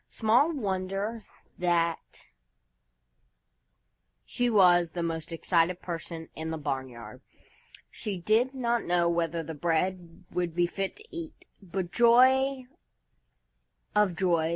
Small wonder that she was the most excited person in the barnyard! She did not know whether the bread would be fit to eat, but joy of joys!